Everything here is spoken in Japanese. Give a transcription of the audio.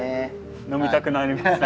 飲みたくなりますね